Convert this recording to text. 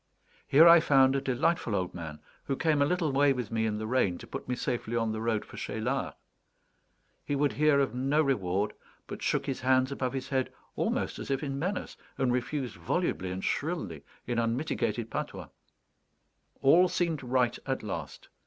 Here I found a delightful old man, who came a little way with me in the rain to put me safely on the road for Cheylard. He would hear of no reward, but shook his hands above his head almost as if in menace, and refused volubly and shrilly in unmitigated patois. All seemed right at last.